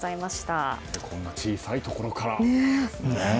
こんな小さいところからね。